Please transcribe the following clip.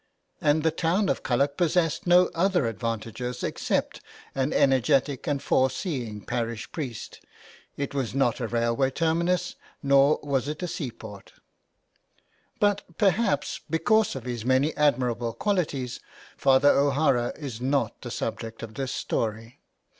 And the town of Culloch possessed no other advantages except an energetic and fore seeing parish priest. It was not a railway terminus, nor was it a seaport. 20] JULIA CAHILL'S CURSE. But, perhaps because of his many admirable qualities, Father O'Hara is not the subject of this story.